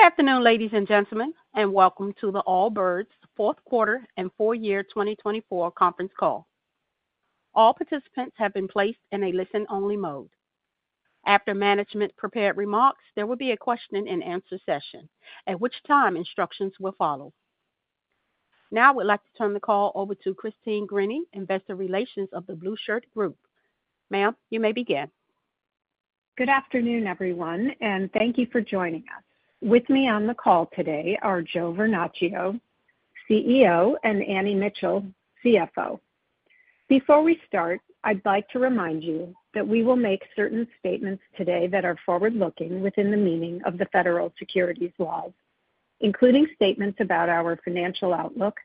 Good afternoon, ladies and gentlemen, and welcome to the Allbirds fourth quarter and full-year 2024 conference call. All participants have been placed in a listen-only mode. After management prepared remarks, there will be a question-and-answer session, at which time instructions will follow. Now I would like to turn the call over to Christine Greany and investor relations of the Blueshirt Group. Ma'am, you may begin. Good afternoon, everyone, and thank you for joining us. With me on the call today are Joe Vernachio, CEO, and Annie Mitchell, CFO. Before we start, I'd like to remind you that we will make certain statements today that are forward-looking within the meaning of the federal securities laws, including statements about our financial outlook,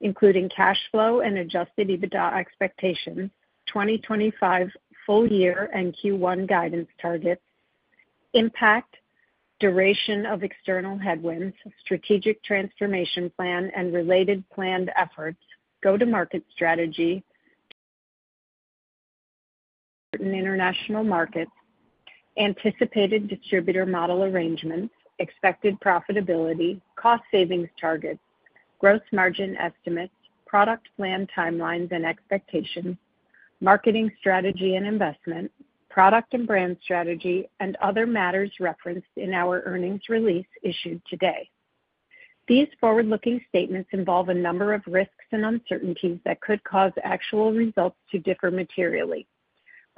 including cash flow and adjusted EBITDA expectations, 2025 full-year and Q1 guidance targets, impact, duration of external headwinds, strategic transformation plan and related planned efforts, go-to-market strategy, certain international markets, anticipated distributor model arrangements, expected profitability, cost savings targets, gross margin estimates, product plan timelines and expectations, marketing strategy and investment, product and brand strategy, and other matters referenced in our earnings release issued today. These forward-looking statements involve a number of risks and uncertainties that could cause actual results to differ materially.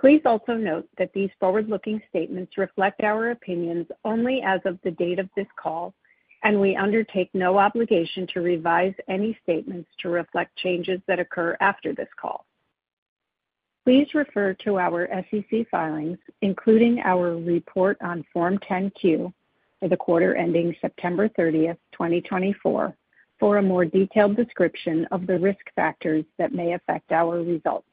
Please also note that these forward-looking statements reflect our opinions only as of the date of this call, and we undertake no obligation to revise any statements to reflect changes that occur after this call. Please refer to our SEC filings, including our report on Form 10-Q for the quarter ending September 30, 2024, for a more detailed description of the risk factors that may affect our results.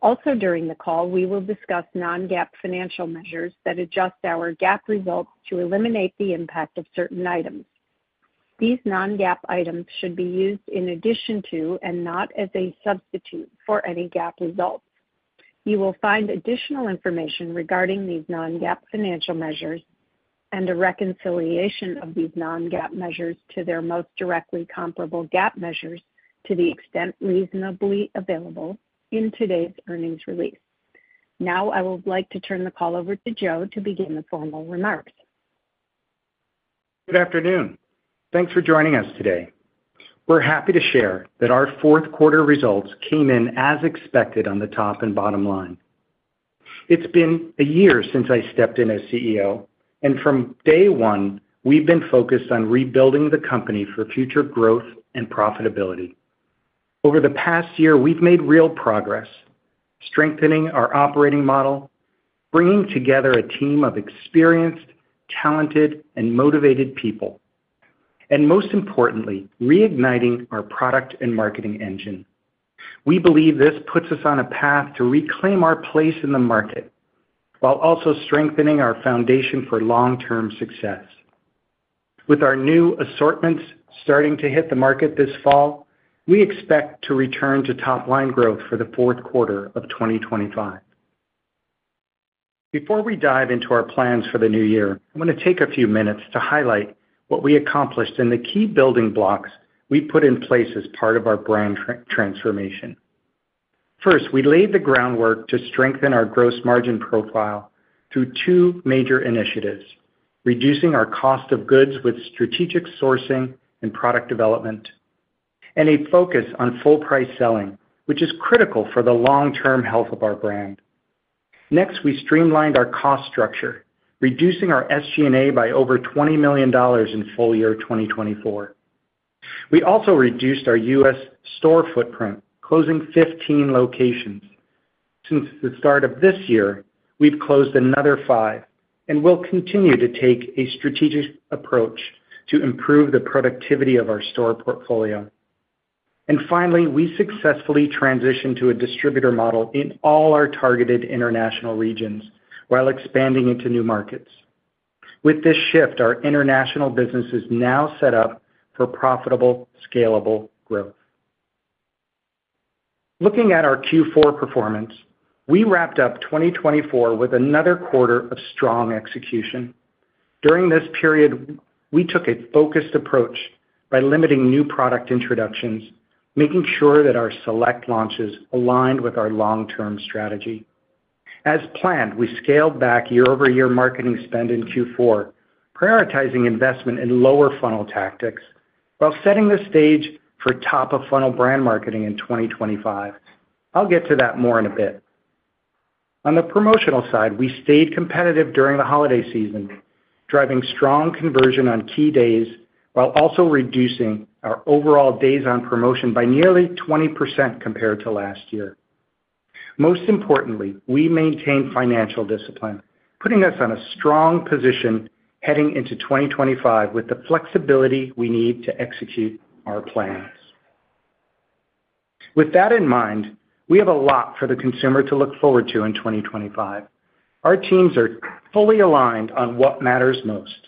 Also, during the call, we will discuss non-GAAP financial measures that adjust our GAAP results to eliminate the impact of certain items. These non-GAAP items should be used in addition to and not as a substitute for any GAAP results. You will find additional information regarding these non-GAAP financial measures and a reconciliation of these non-GAAP measures to their most directly comparable GAAP measures to the extent reasonably available in today's earnings release. Now I would like to turn the call over to Joe to begin the formal remarks. Good afternoon. Thanks for joining us today. We're happy to share that our fourth quarter results came in as expected on the top and bottom line. It's been a year since I stepped in as CEO, and from day one, we've been focused on rebuilding the company for future growth and profitability. Over the past year, we've made real progress, strengthening our operating model, bringing together a team of experienced, talented, and motivated people, and most importantly, reigniting our product and marketing engine. We believe this puts us on a path to reclaim our place in the market while also strengthening our foundation for long-term success. With our new assortments starting to hit the market this fall, we expect to return to top-line growth for the fourth quarter of 2025. Before we dive into our plans for the new year, I want to take a few minutes to highlight what we accomplished and the key building blocks we put in place as part of our brand transformation. First, we laid the groundwork to strengthen our gross margin profile through two major initiatives: reducing our cost of goods with strategic sourcing and product development, and a focus on full-price selling, which is critical for the long-term health of our brand. Next, we streamlined our cost structure, reducing our SG&A by over $20 million in full year 2024. We also reduced our U.S. store footprint, closing 15 locations. Since the start of this year, we've closed another five and will continue to take a strategic approach to improve the productivity of our store portfolio. Finally, we successfully transitioned to a distributor model in all our targeted international regions while expanding into new markets. With this shift, our international business is now set up for profitable, scalable growth. Looking at our Q4 performance, we wrapped up 2024 with another quarter of strong execution. During this period, we took a focused approach by limiting new product introductions, making sure that our select launches aligned with our long-term strategy. As planned, we scaled back year-over-year marketing spend in Q4, prioritizing investment in lower funnel tactics while setting the stage for top-of-funnel brand marketing in 2025. I'll get to that more in a bit. On the promotional side, we stayed competitive during the holiday season, driving strong conversion on key days while also reducing our overall days on promotion by nearly 20% compared to last year. Most importantly, we maintained financial discipline, putting us in a strong position heading into 2025 with the flexibility we need to execute our plans. With that in mind, we have a lot for the consumer to look forward to in 2025. Our teams are fully aligned on what matters most: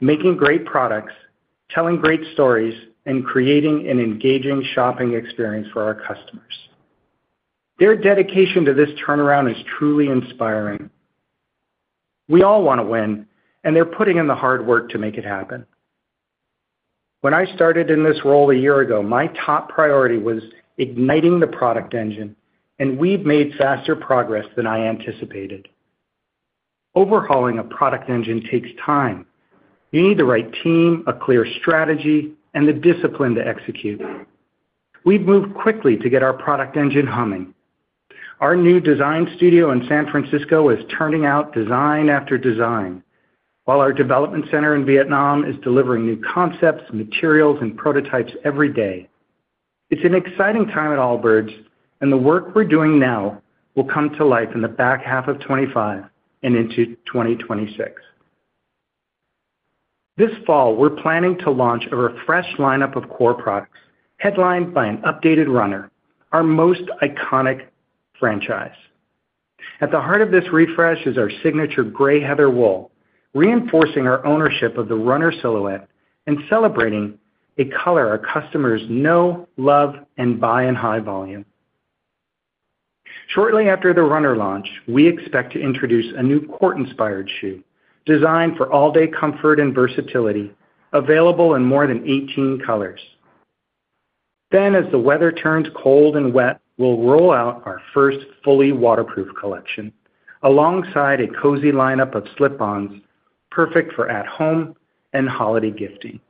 making great products, telling great stories, and creating an engaging shopping experience for our customers. Their dedication to this turnaround is truly inspiring. We all want to win, and they're putting in the hard work to make it happen. When I started in this role a year ago, my top priority was igniting the product engine, and we've made faster progress than I anticipated. Overhauling a product engine takes time. You need the right team, a clear strategy, and the discipline to execute. We've moved quickly to get our product engine humming. Our new design studio in San Francisco is turning out design after design, while our development center in Vietnam is delivering new concepts, materials, and prototypes every day. It's an exciting time at Allbirds, and the work we're doing now will come to life in the back half of 2025 and into 2026. This fall, we're planning to launch a refreshed lineup of core products headlined by an updated Runner, our most iconic franchise. At the heart of this refresh is our signature gray heather wool, reinforcing our ownership of the Runner silhouette and celebrating a color our customers know, love, and buy in high volume. Shortly after the Runner launch, we expect to introduce a new court-inspired shoe designed for all-day comfort and versatility, available in more than 18 colors. As the weather turns cold and wet, we'll roll out our first fully waterproof collection alongside a cozy lineup of slip-ons perfect for at-home and holiday gifting.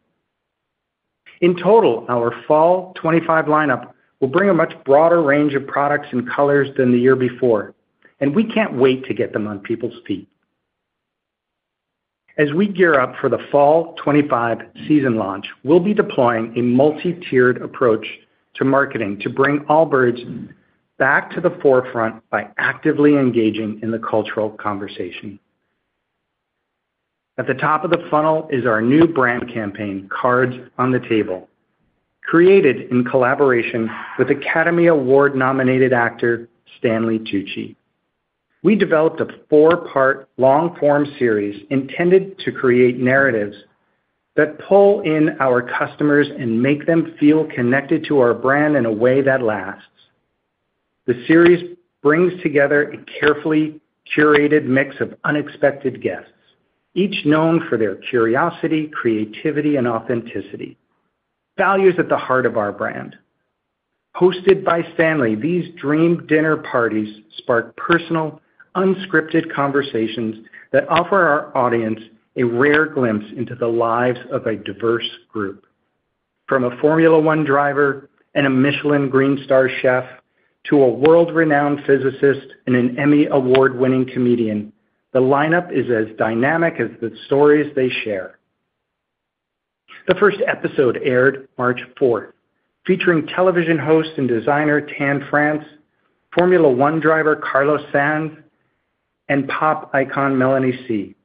In total, our Fall 2025 lineup will bring a much broader range of products and colors than the year before, and we can't wait to get them on people's feet. As we gear up for the Fall 2025 season launch, we'll be deploying a multi-tiered approach to marketing to bring Allbirds back to the forefront by actively engaging in the cultural conversation. At the top of the funnel is our new brand campaign, Cards on the Table, created in collaboration with Academy Award-nominated actor Stanley Tucci. We developed a four-part long-form series intended to create narratives that pull in our customers and make them feel connected to our brand in a way that lasts. The series brings together a carefully curated mix of unexpected guests, each known for their curiosity, creativity, and authenticity, values at the heart of our brand. Hosted by Stanley Tucci, these dream dinner parties spark personal, unscripted conversations that offer our audience a rare glimpse into the lives of a diverse group. From a Formula One driver and a Michelin Green Star chef to a world-renowned physicist and an Emmy Award-winning comedian, the lineup is as dynamic as the stories they share. The first episode aired March 4, featuring television host and designer Tan France, Formula One driver Carlos Sainz, and pop icon Melanie C.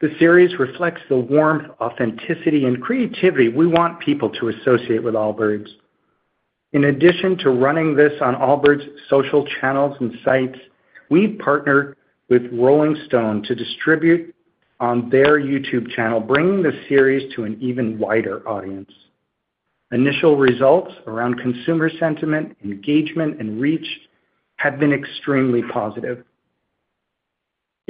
The series reflects the warmth, authenticity, and creativity we want people to associate with Allbirds. In addition to running this on Allbirds' social channels and sites, we partnered with Rolling Stone to distribute on their YouTube channel, bringing the series to an even wider audience. Initial results around consumer sentiment, engagement, and reach have been extremely positive.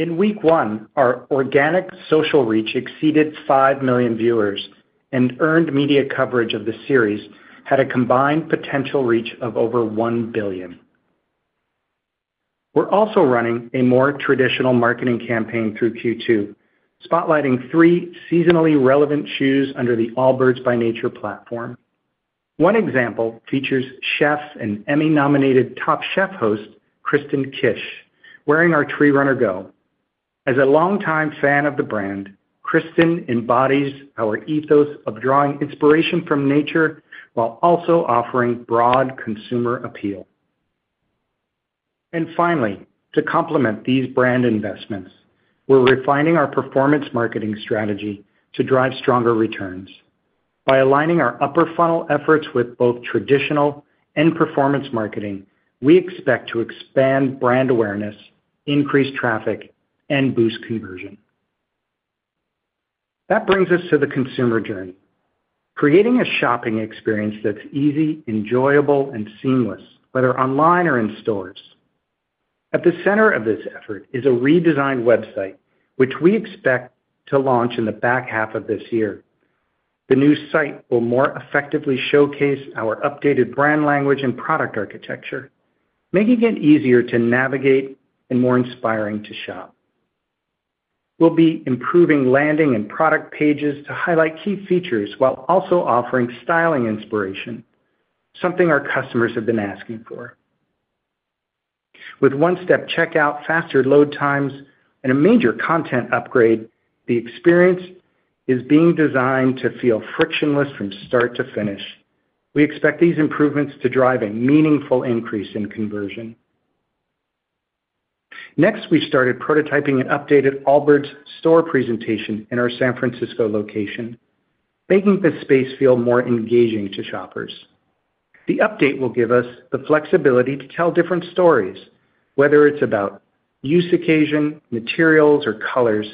In week one, our organic social reach exceeded 5 million viewers and earned media coverage of the series had a combined potential reach of over 1 billion. We are also running a more traditional marketing campaign through Q2, spotlighting three seasonally relevant shoes under the Allbirds By Nature platform. One example features chef and Emmy-nominated Top Chef host, Kristen Kish, wearing our Tree Runner Go. As a longtime fan of the brand, Kristin embodies our ethos of drawing inspiration from nature while also offering broad consumer appeal. Finally, to complement these brand investments, we are refining our performance marketing strategy to drive stronger returns. By aligning our upper-funnel efforts with both traditional and performance marketing, we expect to expand brand awareness, increase traffic, and boost conversion. That brings us to the consumer journey, creating a shopping experience that's easy, enjoyable, and seamless, whether online or in stores. At the center of this effort is a redesigned website, which we expect to launch in the back half of this year. The new site will more effectively showcase our updated brand language and product architecture, making it easier to navigate and more inspiring to shop. We'll be improving landing and product pages to highlight key features while also offering styling inspiration, something our customers have been asking for. With one-step checkout, faster load times, and a major content upgrade, the experience is being designed to feel frictionless from start to finish. We expect these improvements to drive a meaningful increase in conversion. Next, we started prototyping an updated Allbirds store presentation in our San Francisco location, making the space feel more engaging to shoppers. The update will give us the flexibility to tell different stories, whether it's about use occasion, materials, or colors,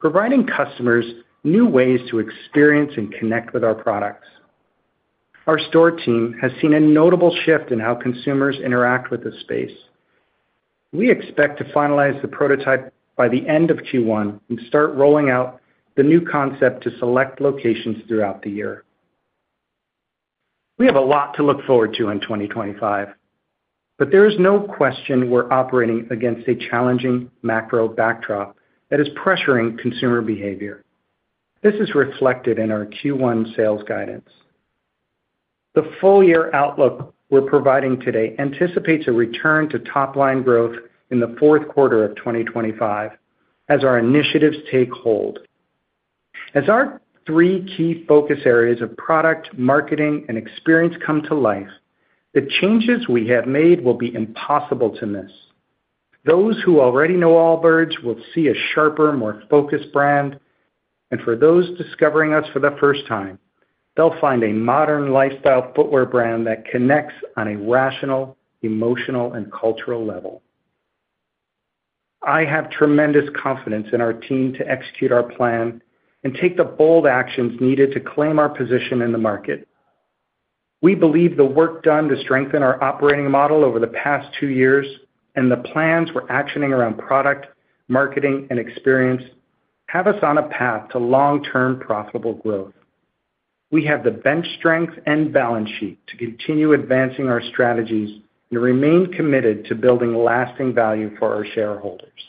providing customers new ways to experience and connect with our products. Our store team has seen a notable shift in how consumers interact with the space. We expect to finalize the prototype by the end of Q1 and start rolling out the new concept to select locations throughout the year. We have a lot to look forward to in 2025, but there is no question we're operating against a challenging macro backdrop that is pressuring consumer behavior. This is reflected in our Q1 sales guidance. The full year outlook we're providing today anticipates a return to top-line growth in the fourth quarter of 2025 as our initiatives take hold. As our three key focus areas of product, marketing, and experience come to life, the changes we have made will be impossible to miss. Those who already know Allbirds will see a sharper, more focused brand, and for those discovering us for the first time, they'll find a modern lifestyle footwear brand that connects on a rational, emotional, and cultural level. I have tremendous confidence in our team to execute our plan and take the bold actions needed to claim our position in the market. We believe the work done to strengthen our operating model over the past two years and the plans we're actioning around product, marketing, and experience have us on a path to long-term profitable growth. We have the bench strength and balance sheet to continue advancing our strategies and remain committed to building lasting value for our shareholders.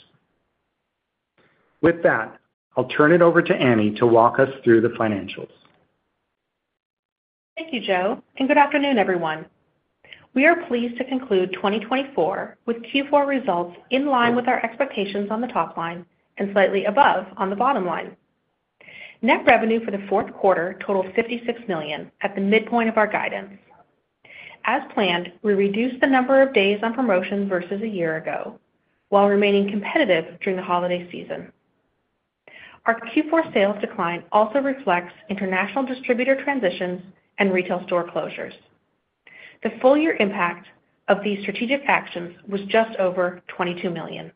With that, I'll turn it over to Annie to walk us through the financials. Thank you, Joe, and good afternoon, everyone. We are pleased to conclude 2024 with Q4 results in line with our expectations on the top line and slightly above on the bottom line. Net revenue for the fourth quarter totaled $56 million at the midpoint of our guidance. As planned, we reduced the number of days on promotion versus a year ago while remaining competitive during the holiday season. Our Q4 sales decline also reflects international distributor transitions and retail store closures. The full year impact of these strategic actions was just over $22 million.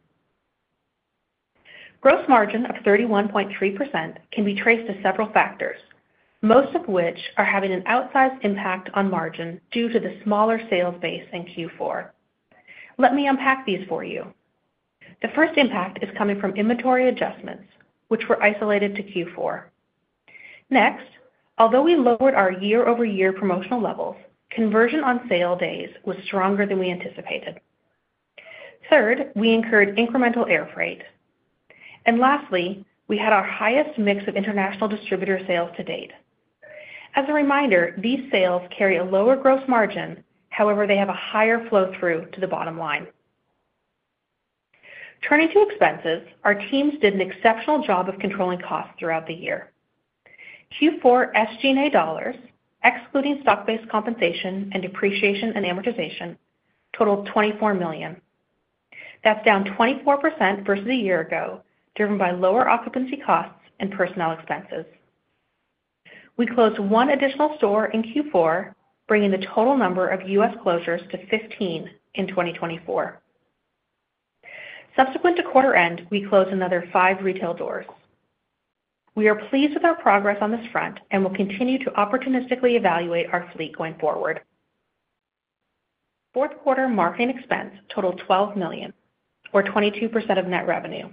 Gross margin of 31.3% can be traced to several factors, most of which are having an outsized impact on margin due to the smaller sales base in Q4. Let me unpack these for you. The first impact is coming from inventory adjustments, which were isolated to Q4. Next, although we lowered our year-over-year promotional levels, conversion on sale days was stronger than we anticipated. Third, we incurred incremental air freight. Lastly, we had our highest mix of international distributor sales to date. As a reminder, these sales carry a lower gross margin; however, they have a higher flow-through to the bottom line. Turning to expenses, our teams did an exceptional job of controlling costs throughout the year. Q4 SG&A dollars, excluding stock-based compensation and depreciation and amortization, totaled $24 million. That's down 24% versus a year ago, driven by lower occupancy costs and personnel expenses. We closed one additional store in Q4, bringing the total number of U.S. closures to 15 in 2024. Subsequent to quarter end, we closed another five retail doors. We are pleased with our progress on this front and will continue to opportunistically evaluate our fleet going forward. Fourth quarter marketing expense totaled $12 million, or 22% of net revenue.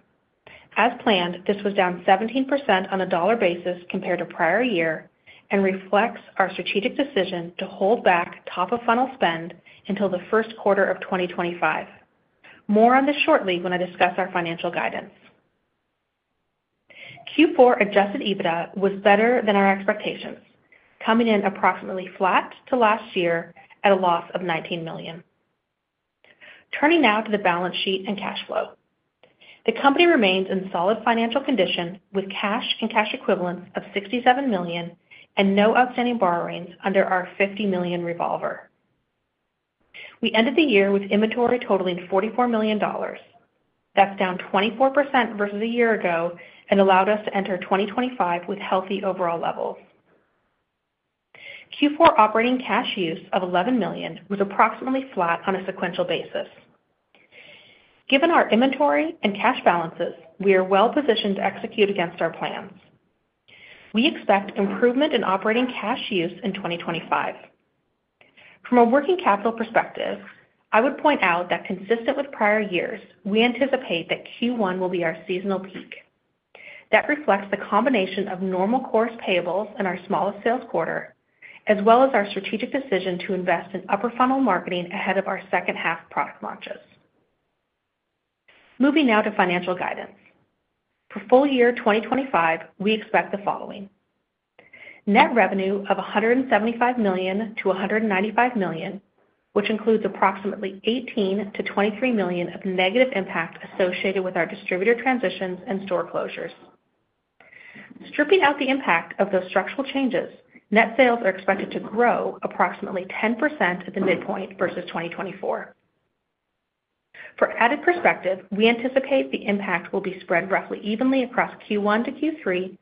As planned, this was down 17% on a dollar basis compared to prior year and reflects our strategic decision to hold back top-of-funnel spend until the first quarter of 2025. More on this shortly when I discuss our financial guidance. Q4 adjusted EBITDA was better than our expectations, coming in approximately flat to last year at a loss of $19 million. Turning now to the balance sheet and cash flow. The company remains in solid financial condition with cash and cash equivalents of $67 million and no outstanding borrowings under our $50 million revolver. We ended the year with inventory totaling $44 million. That's down 24% versus a year ago and allowed us to enter 2025 with healthy overall levels. Q4 operating cash use of $11 million was approximately flat on a sequential basis. Given our inventory and cash balances, we are well-positioned to execute against our plans. We expect improvement in operating cash use in 2025. From a working capital perspective, I would point out that consistent with prior years, we anticipate that Q1 will be our seasonal peak. That reflects the combination of normal course payables in our smallest sales quarter, as well as our strategic decision to invest in upper-funnel marketing ahead of our second-half product launches. Moving now to financial guidance. For full year 2025, we expect the following: net revenue of $175 million-$195 million, which includes approximately $18 million-$23 million of negative impact associated with our distributor transitions and store closures. Stripping out the impact of those structural changes, net sales are expected to grow approximately 10% at the midpoint versus 2024. For added perspective, we anticipate the impact will be spread roughly evenly across Q1 to Q3,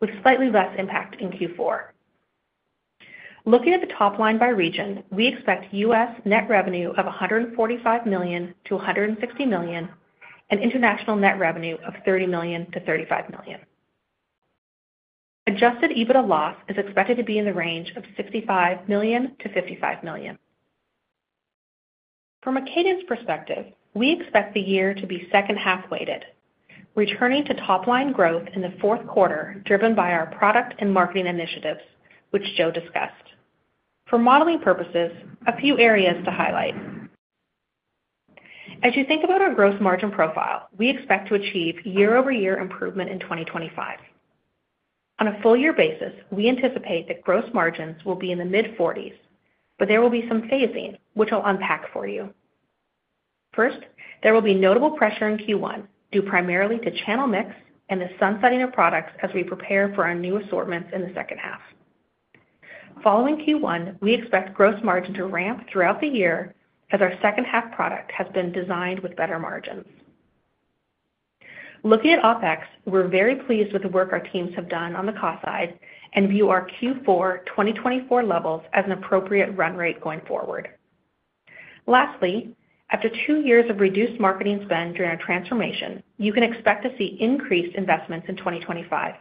with slightly less impact in Q4. Looking at the top line by region, we expect U.S. net revenue of $145 million-$160 million and international net revenue of $30 million-$35 million. Adjusted EBITDA loss is expected to be in the range of $65 million-$55 million. From a cadence perspective, we expect the year to be second-half weighted, returning to top-line growth in the fourth quarter driven by our product and marketing initiatives, which Joe discussed. For modeling purposes, a few areas to highlight. As you think about our gross margin profile, we expect to achieve year-over-year improvement in 2025. On a full year basis, we anticipate that gross margins will be in the mid-40s, but there will be some phasing, which I'll unpack for you. First, there will be notable pressure in Q1 due primarily to channel mix and the sunsetting of products as we prepare for our new assortments in the second half. Following Q1, we expect gross margin to ramp throughout the year as our second-half product has been designed with better margins. Looking at OpEx, we're very pleased with the work our teams have done on the cost side and view our Q4 2024 levels as an appropriate run rate going forward. Lastly, after two years of reduced marketing spend during our transformation, you can expect to see increased investments in 2025.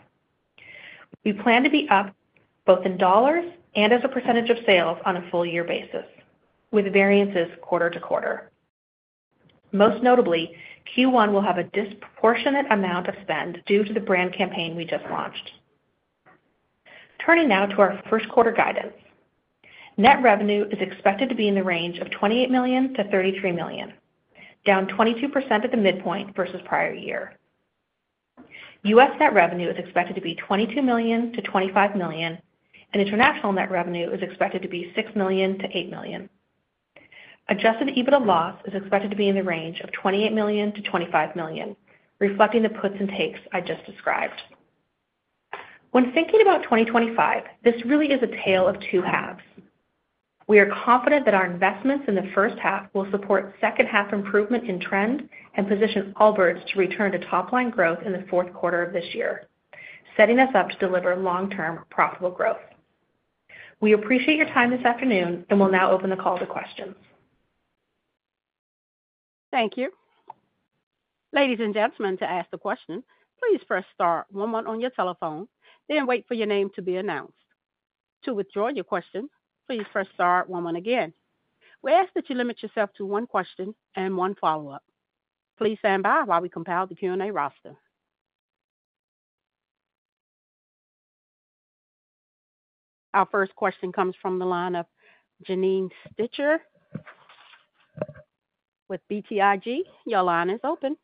We plan to be up both in dollars and as a percentage of sales on a full year basis, with variances quarter to quarter. Most notably, Q1 will have a disproportionate amount of spend due to the brand campaign we just launched. Turning now to our first quarter guidance. Net revenue is expected to be in the range of $28 million-$33 million, down 22% at the midpoint versus prior year. U.S. net revenue is expected to be $22 million-$25 million, and international net revenue is expected to be $6 million-$8 million. Adjusted EBITDA loss is expected to be in the range of $28 million-$25 million, reflecting the puts and takes I just described. When thinking about 2025, this really is a tale of two halves. We are confident that our investments in the first half will support second-half improvement in trend and position Allbirds to return to top-line growth in the fourth quarter of this year, setting us up to deliver long-term profitable growth. We appreciate your time this afternoon and will now open the call to questions. Thank you. Ladies and gentlemen, to ask a question, please first star one-one on your telephone, then wait for your name to be announced. To withdraw your question, please first star one-one again. We ask that you limit yourself to one question and one follow-up. Please stand by while we compile the Q&A roster. Our first question comes from the line of Janine Stichter with BTIG. Your line is open.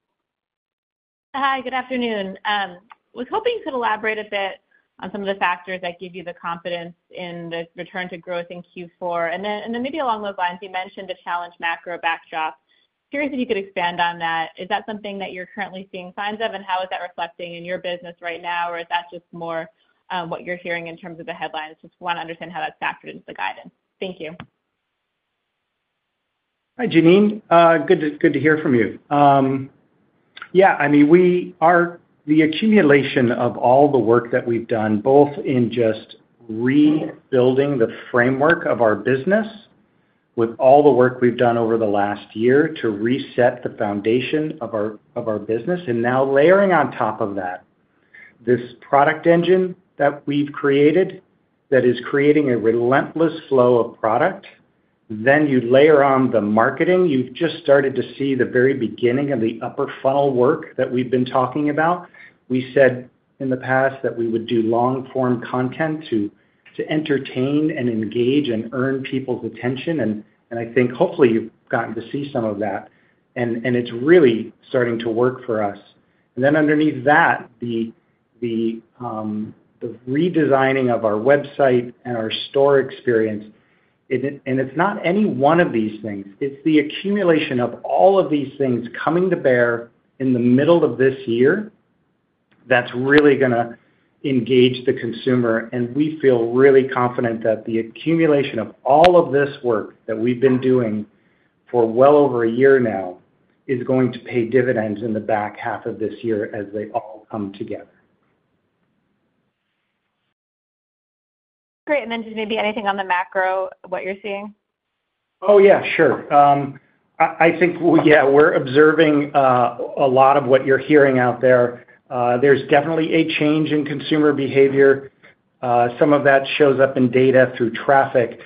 Hi, good afternoon. I was hoping you could elaborate a bit on some of the factors that give you the confidence in the return to growth in Q4. Along those lines, you mentioned a challenged macro backdrop. Curious if you could expand on that. Is that something that you're currently seeing signs of, and how is that reflecting in your business right now, or is that just more what you're hearing in terms of the headlines? Just want to understand how that's factored into the guidance. Thank you. Hi, Janine. Good to hear from you. Yeah, I mean, the accumulation of all the work that we've done, both in just rebuilding the framework of our business with all the work we've done over the last year to reset the foundation of our business, and now layering on top of that, this product engine that we've created that is creating a relentless flow of product, then you layer on the marketing. You've just started to see the very beginning of the upper-funnel work that we've been talking about. We said in the past that we would do long-form content to entertain and engage and earn people's attention, and I think hopefully you've gotten to see some of that, and it's really starting to work for us. Then underneath that, the redesigning of our website and our store experience, and it's not any one of these things. It's the accumulation of all of these things coming to bear in the middle of this year that's really going to engage the consumer, and we feel really confident that the accumulation of all of this work that we've been doing for well over a year now is going to pay dividends in the back half of this year as they all come together. That's great. Just maybe anything on the macro, what you're seeing? Oh, yeah, sure. I think, yeah, we're observing a lot of what you're hearing out there. There's definitely a change in consumer behavior. Some of that shows up in data through traffic.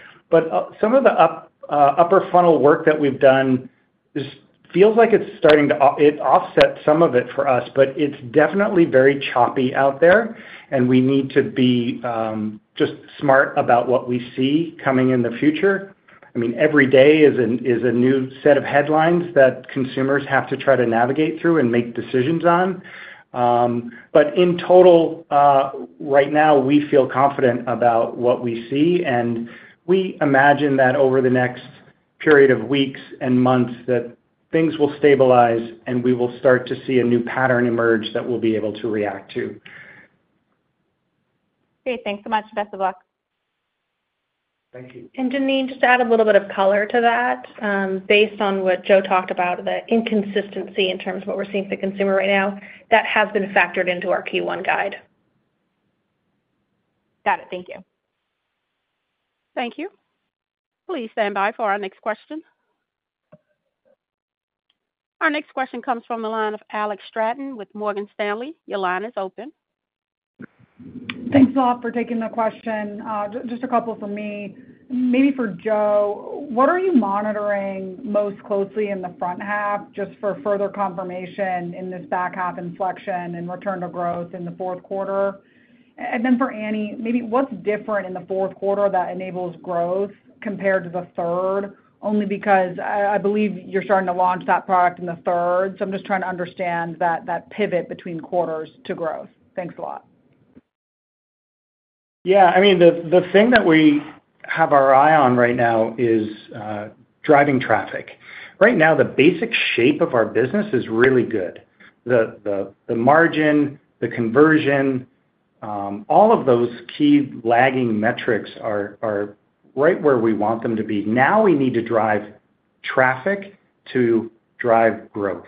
Some of the upper-funnel work that we've done feels like it's starting to offset some of it for us, but it's definitely very choppy out there, and we need to be just smart about what we see coming in the future. I mean, every day is a new set of headlines that consumers have to try to navigate through and make decisions on. In total, right now, we feel confident about what we see, and we imagine that over the next period of weeks and months that things will stabilize and we will start to see a new pattern emerge that we'll be able to react to. Great. Thanks so much. Best of luck. Thank you. Janine, just to add a little bit of color to that, based on what Joe talked about, the inconsistency in terms of what we're seeing from the consumer right now, that has been factored into our Q1 guide. Got it. Thank you. Thank you. Please stand by for our next question. Our next question comes from the line of Alex Straton with Morgan Stanley. Your line is open. Thanks, Bob, for taking the question. Just a couple for me. Maybe for Joe, what are you monitoring most closely in the front half just for further confirmation in this back half inflection and return to growth in the fourth quarter? For Annie, maybe what's different in the fourth quarter that enables growth compared to the third, only because I believe you're starting to launch that product in the third, so I'm just trying to understand that pivot between quarters to growth. Thanks a lot. Yeah. I mean, the thing that we have our eye on right now is driving traffic. Right now, the basic shape of our business is really good. The margin, the conversion, all of those key lagging metrics are right where we want them to be. Now we need to drive traffic to drive growth.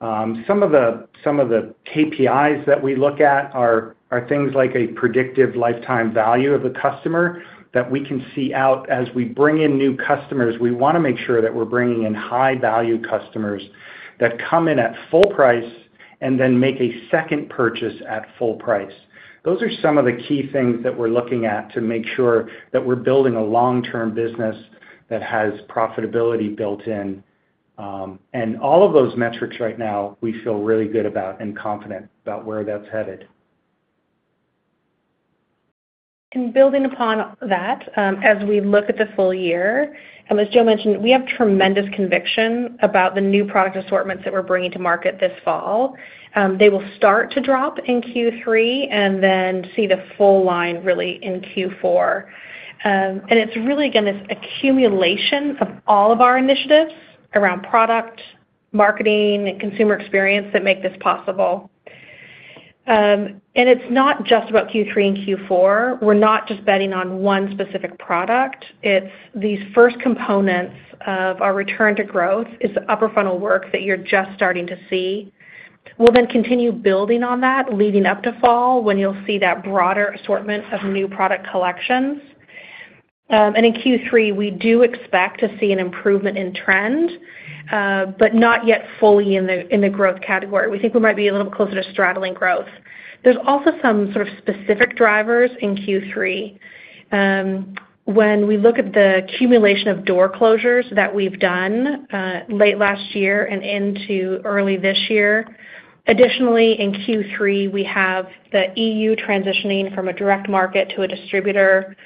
Some of the KPIs that we look at are things like a predictive lifetime value of a customer that we can see out as we bring in new customers. We want to make sure that we're bringing in high-value customers that come in at full price and then make a second purchase at full price. Those are some of the key things that we're looking at to make sure that we're building a long-term business that has profitability built in. All of those metrics right now, we feel really good about and confident about where that's headed. Building upon that, as we look at the full year, and as Joe mentioned, we have tremendous conviction about the new product assortments that we're bringing to market this fall. They will start to drop in Q3 and then see the full line really in Q4. It's really again this accumulation of all of our initiatives around product, marketing, and consumer experience that make this possible. It's not just about Q3 and Q4. We're not just betting on one specific product. It's these first components of our return to growth is the upper-funnel work that you're just starting to see. We'll then continue building on that leading up to fall when you'll see that broader assortment of new product collections. In Q3, we do expect to see an improvement in trend, but not yet fully in the growth category. We think we might be a little bit closer to straddling growth. There's also some sort of specific drivers in Q3. When we look at the accumulation of door closures that we've done late last year and into early this year, additionally, in Q3, we have the EU transitioning from a direct market to a distributor.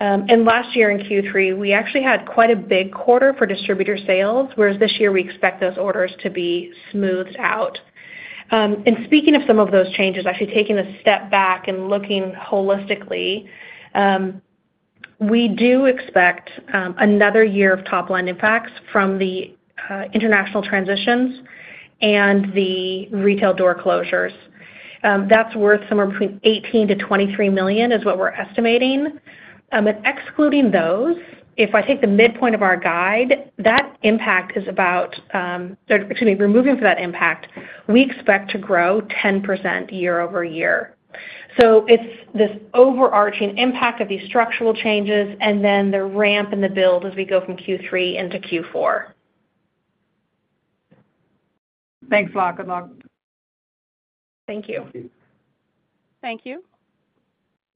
Last year in Q3, we actually had quite a big quarter for distributor sales, whereas this year we expect those orders to be smoothed out. Speaking of some of those changes, actually taking a step back and looking holistically, we do expect another year of top-line impacts from the international transitions and the retail door closures. That is worth somewhere between $18 million-$23 million is what we are estimating. Excluding those, if I take the midpoint of our guide, that impact is about, excuse me, removing for that impact, we expect to grow 10% year over year. It is this overarching impact of these structural changes and then the ramp and the build as we go from Q3 into Q4. Thanks, Bob. Good luck. Thank you. Thank you. Thank you.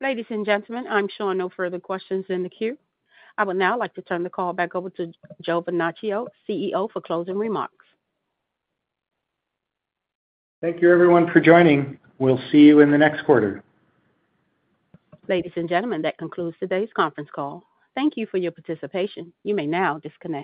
Ladies and gentlemen, I am sure no further questions in the queue. I would now like to turn the call back over to Joe Vernachio, CEO, for closing remarks. Thank you, everyone, for joining. We will see you in the next quarter. Ladies and gentlemen, that concludes today's conference call. Thank you for your participation. You may now disconnect.